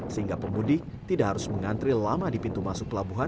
sehingga pemudik tidak harus mengantri lama di pintu masuk pelabuhan